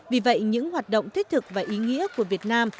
vì vậy những hoạt động thiết thực và ý nghĩa của việt nam